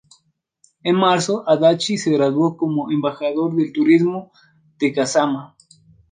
En marzo, Adachi se graduó como embajador de turismo de Kasama.